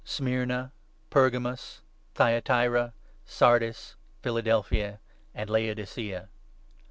Smyrna, Pergamus, Thyatira, Sardis, Philadelphia, and Laodicaea.'